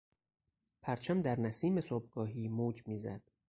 پرچم در نسیم صبحگاهی موج میزد.